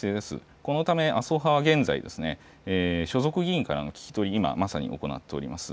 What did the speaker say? このため麻生派は現在、所属議員からの聞き取り、今まさに行っております。